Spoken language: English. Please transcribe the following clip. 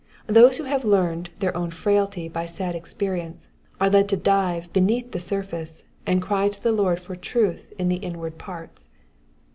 Those who have learned their own frailty by sad expe rience, are led to dive beneath the surface, and cry to the Lord for truth in the inward parts.